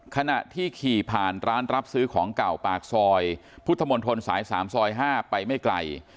ขณะที่ขี่ผ่านร้านรับซื้อของเก่าปากซอยพุทธมนตรสาย๓ซอย๕ไปไม่ไกล